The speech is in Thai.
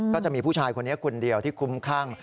ก็จะมีผู้ชายคนนี้คนเดียวที่คุ้มคั่ง